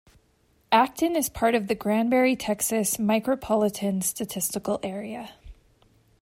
Acton is part of the Granbury, Texas Micropolitan Statistical Area.